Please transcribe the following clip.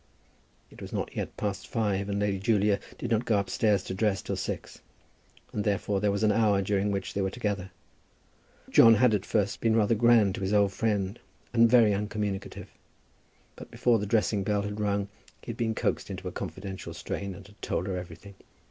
It was not yet past five, and Lady Julia did not go upstairs to dress till six, and therefore there was an hour during which they were together. John had at first been rather grand to his old friend, and very uncommunicative. But before the dressing bell had rung he had been coaxed into a confidential strain and had told everything.